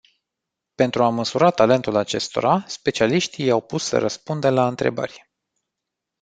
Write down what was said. Pentru a măsura talentul acestora, specialiștii i-au pus să răspundă la întrebări.